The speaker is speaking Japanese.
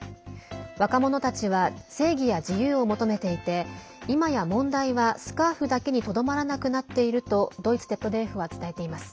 若者たちは正義や自由を求めていていまや問題はスカーフだけにとどまらなくなっているとドイツＺＤＦは伝えています。